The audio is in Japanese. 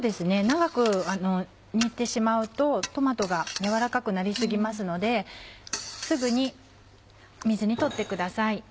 長く煮てしまうとトマトが軟らかくなり過ぎますのですぐに水にとってください。